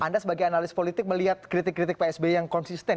anda sebagai analis politik melihat kritik kritik pak sby yang konsisten